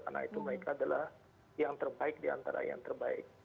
karena itu mereka adalah yang terbaik diantara yang terbaik